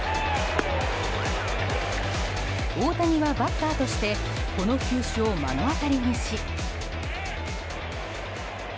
大谷はバッターとしてこの球種を目の当たりにし。